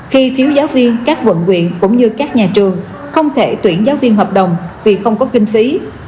khi phiếu giáo viên các quận quyện cũng như các nhà trường không thể tuyển giáo viên hợp đồng vì không có kinh phí